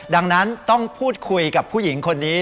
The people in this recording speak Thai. ดังนั้นต้องพูดคุยกับผู้หญิงคนนี้